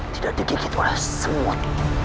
tidak digigit oleh semut